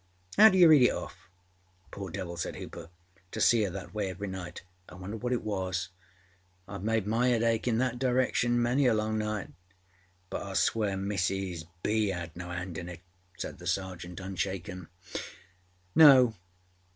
How do you read it off?â âPoor devil!â said Hooper. âTo see her that way every night! I wonder what it was.â âIâve made my âead ache in that direction many a long night.â âBut Iâll swear Mrs. B. âad no âand in it,â said the Sergeant unshaken. âNo.